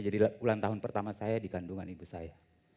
jadi ulang tahun pertama saya di kandungan ibu saya